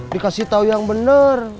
dikasih tau yang bener